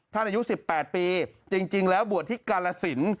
อายุ๑๘ปีจริงแล้วบวชที่กาลสิน